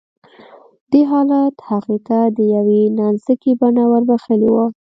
دې حالت هغې ته د يوې نانځکې بڼه وربښلې وه